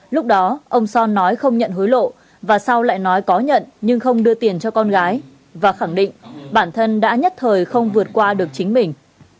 lúc đó ông son nói không nhận hối lộ và sau lại nói có nhận nhưng không đưa tiền cho con gái và khẳng định bản thân đã nhất thời không vượt qua được chính mình